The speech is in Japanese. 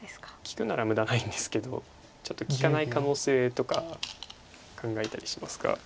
利くなら無駄ないんですけどちょっと利かない可能性とか考えたりしますが。